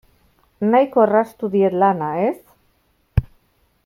Nahiko erraztu diet lana, ez?